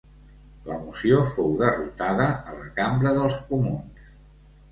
La moció fou derrotada a la Cambra dels Comuns.